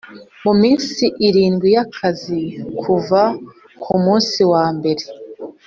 Mu minsi irindwi y akazi kuva ku munsi wa mbere